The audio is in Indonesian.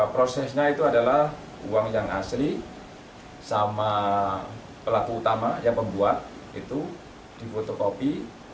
prosesnya itu adalah uang yang asli sama pelaku utama ya pembuat itu dipotokopi